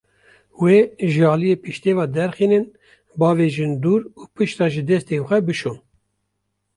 Wê ji aliyê piştê ve derxînin, bavêjin dûr, û piştre jî destên xwe bişon.